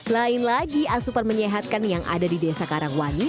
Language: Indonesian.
lain lagi asuper menyehatkan yang ada di desa karangwani